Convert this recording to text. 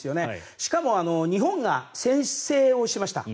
しかも、日本が先制をしました。